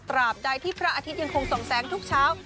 บใดที่พระอาทิตย์ยังคงส่งแสงทุกเช้า